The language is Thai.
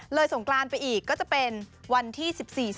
เลยส่งกลานไปอีกก็จะเป็นวันที่๑๔๑๖